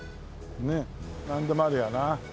ねっなんでもあるよな。